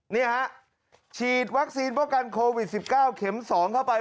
นี่ฮะฉีดวัคซีนป้องกันโควิด๑๙เข็ม๒เข้าไป